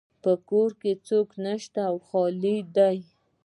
په کور کې څوک نشته او خالی ده